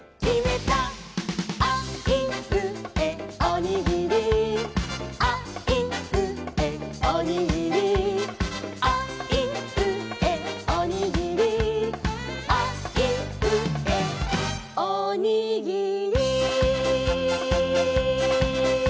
「あいうえおにぎり」「あいうえおにぎり」「あいうえおにぎり」「あいうえおにぎり」